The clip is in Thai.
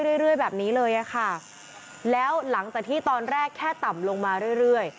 เรื่อยแบบนี้เลยอะค่ะแล้วหลังจากที่ตอนแรกแค่ต่ำลงมาเรื่อยเรื่อย